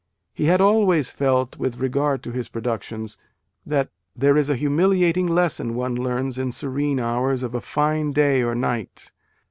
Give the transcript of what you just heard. He had always felt, with regard to his pro ductions, that " There is a humiliating lesson one learns, in serene hours, of a fine day or night.